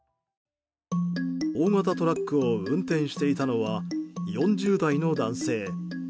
大型トラックを運転していたのは４０代の男性。